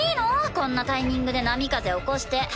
こんなタイミングで波風起こして。